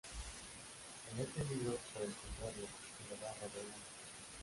En este libro, por el contrario, el obrar revela la persona.